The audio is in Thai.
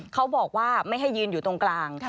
เขาบอกว่าไม่ให้ยืนอยู่ตรงกลาง